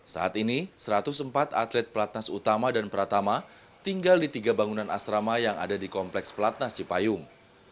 saat ini satu ratus empat atlet pelatnas utama dan pratama tinggal di tiga bangunan asrama yang ada di kompleks pelatnas cipayung